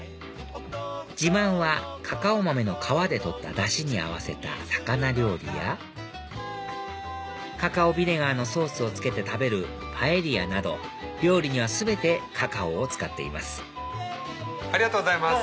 自慢はカカオ豆の皮で取ったダシに合わせた魚料理やカカオビネガーのソースをつけて食べるパエリアなど料理には全てカカオを使っていますありがとうございます。